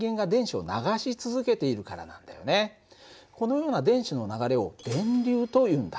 このような電子の流れを電流というんだ。